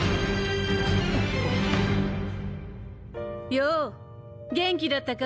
よぉ元気だったか？